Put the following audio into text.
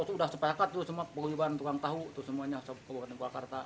saya sudah sepakat semua penghubungan tukang tahu semuanya sok bukatan purwakarta